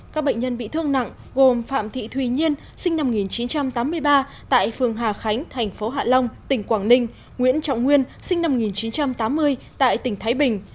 các bệnh nhân bị thương nặng gồm phạm thị thùy nhiên sinh năm một nghìn chín trăm tám mươi ba tại phường hà khánh thành phố hạ long tỉnh quảng ninh nguyễn trọng nguyên sinh năm một nghìn chín trăm tám mươi tại tỉnh thái bình